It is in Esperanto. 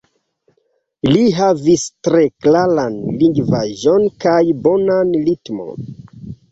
Li havis tre klaran lingvaĵon kaj bonan ritmon.